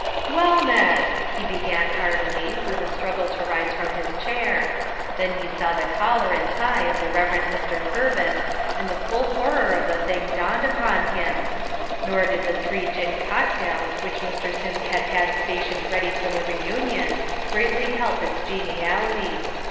"Well, Ned!" he began heartily, with a struggle to rise from his chair then he saw the collar and tie of the Rev. Mr. Purvis, and the full horror of the thing dawned upon him. Nor did the three gin cocktails, which Mr. Sims had had stationed ready for the reunion, greatly help its geniality.